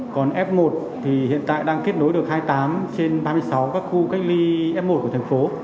còn f một thì hiện tại đang kết nối được hai mươi tám trên ba mươi sáu các khu cách ly f một của thành phố